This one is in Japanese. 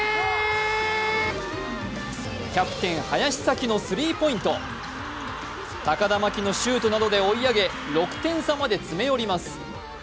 キャプテン林咲希のスリーポイント高田真希のシュートなどで追い上げ６点差まで詰め寄ります。